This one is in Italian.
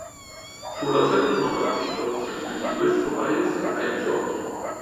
Fu la settima partecipazione di questo paese ai Giochi.